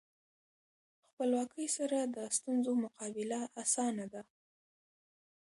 خپلواکۍ سره د ستونزو مقابله اسانه ده.